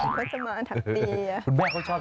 ก็จะมาถักเตีย